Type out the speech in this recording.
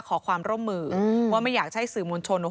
ขอความร่วมมือว่าไม่อยากให้สื่อมวลชน